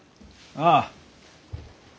ああ。